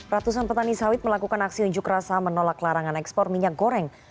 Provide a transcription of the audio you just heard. ratusan petani sawit melakukan aksi unjuk rasa menolak larangan ekspor minyak goreng